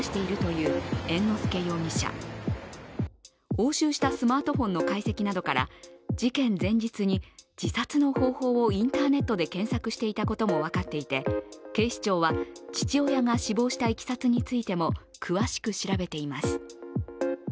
押収したスマートフォンの解析などから事件前日に自殺の方法をインターネットで検索していたことも分かっていて警視庁は父親が死亡したいきさつについても、詳しく調べています。